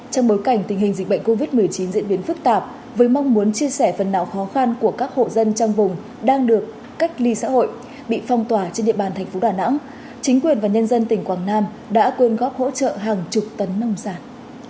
trong bối cảnh tình hình dịch bệnh covid một mươi chín diễn biến phức tạp với mong muốn chia sẻ phần nào khó khăn của các hộ dân trong vùng đang được cách ly xã hội bị phong tỏa trên địa bàn thành phố đà nẵng chính quyền và nhân dân tỉnh quảng nam đã quyên góp hỗ trợ hàng chục tấn nông sản